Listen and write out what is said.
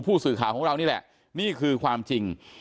ผู้สื่อข่าวของเรานี่แหละนี่คือความจริง